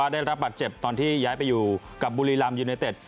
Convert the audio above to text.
ได้รับบาดเจ็บตอนที่ย้ายไปอยู่กับบุรีรำยูเนเต็ด